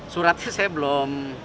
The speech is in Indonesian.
suratnya saya belum